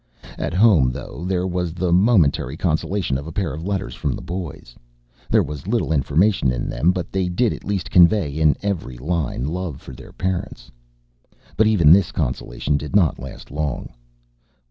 At home, though, there was the momentary consolation of a pair of letters from the boys. There was little information in them but they did at least convey in every line love for their parents. But even this consolation did not last long.